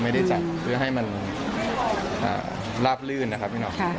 ไม่ได้จัดเพื่อให้มันลาบลื่นนะครับ